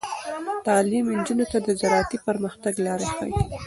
تعلیم نجونو ته د زراعتي پرمختګ لارې ښيي.